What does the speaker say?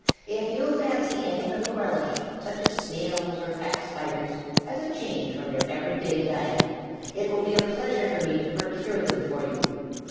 If you fancy any little relish, such as snails or fat spiders, as a change from your every day diet, it will be a pleasure to me to procure them for you.